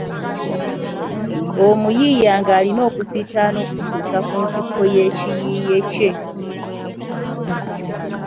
Omuyiiya ng'alina okusiitaana okututuusa ku ntikko y'ekiyiiye kye.